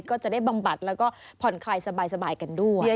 ก็จะได้บำบัดแล้วก็ผ่อนคลายสบายกันด้วย